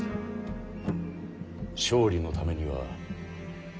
勝利のためには。